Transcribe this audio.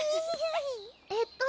えっと